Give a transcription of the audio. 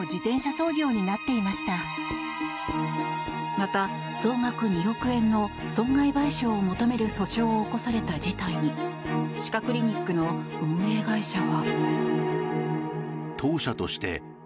また、総額２億円の損害賠償を求める訴訟を起こされた事態に歯科クリニックの運営会社は。